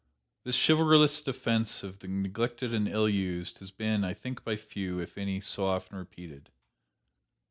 This chivalrous defense of the neglected and ill used has been, I think by few, if any, so often repeated.